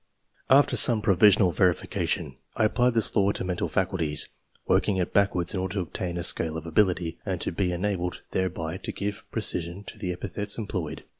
After some provisional verification, I applied this same law to mental faculties, working it backwards in order to obtain a scale of ability, and to be enabled thereby to give precision to the epithets employed.